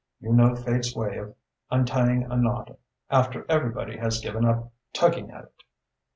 You know Fate's way of untying a knot after everybody has given up tugging at it!